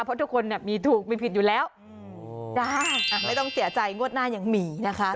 เพราะทุกคนเนี่ยมีถูกมีผิดอยู่แล้วจ้าไม่ต้องเสียใจงวดหน้ายังมีนะคะ